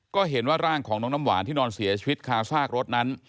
ก็เห็นว่าร่างของน้องน้ำหวานที่นอนเสียชีวิตคาซากรถนั้น